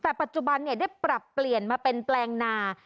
แต่ปัจจุบันได้ปรับเปลี่ยนมาเป็นแปลงนา